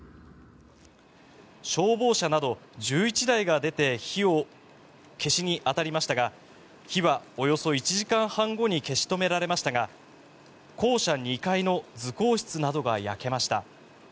消防車など１１台が出て火を消しに当たりましたが火はおよそ１時間半後に消し止められましたが校舎２階の図工室などが焼けました。